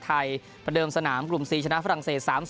ประเดิมสนามกลุ่ม๔ชนะฝรั่งเศส๓๐